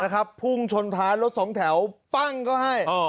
นะครับพุ่งชนทานรถสองแถวปั้งก็ให้อ๋อ